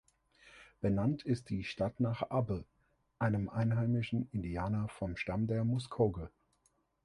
Benannt ist die Stadt nach "Abbe", einem einheimischen Indianer vom Stamm der Muskogee.